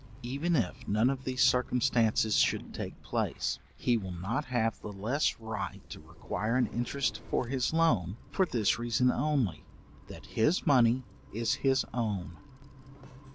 Even if none of these circumstances should take place, he will not have the less right to require an interest for his loan, for this reason only, that his money is his own.